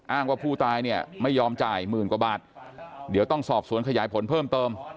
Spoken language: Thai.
ว่าผู้ตายเนี่ยไม่ยอมจ่ายหมื่นกว่าบาทเดี๋ยวต้องสอบสวนขยายผลเพิ่มเติม